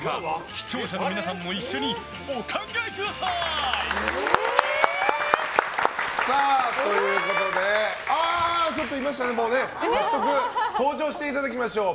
視聴者の皆さんも一緒にお考えください！ということで早速、登場していただきましょう。